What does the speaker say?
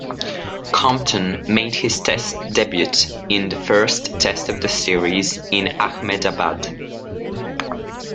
Compton made his test debut in the first Test of the series in Ahmedabad.